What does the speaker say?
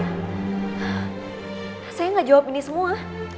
hah saya gak jawab ini semua